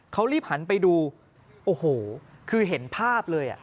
เขารีบหันไปดูโอ้โหคือเห็นภาพเลยอ่ะ